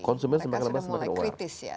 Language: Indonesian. konsumen semakin lama semakin over